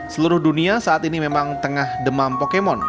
seluruh dunia saat ini memang tengah demam pokemon